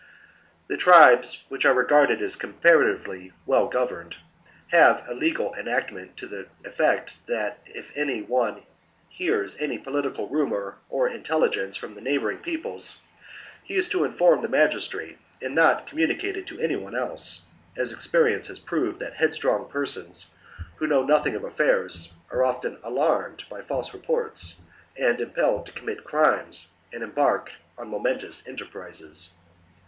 Unauthor 20. The tribcs which are regarded as com tion of ^''*'''' paratively well governed have a legal enactment S^wsfor to the effect that if any one hears any political bidden. rumour or intelligence from the neighbouring peoples, he is to inform the magistrate and not communicate it to any one else, as experience has proved that headstrong persons, who know nothing of affairs, are often alarmed by false reports and impelled to commit crimes and embark on momentous enterprises.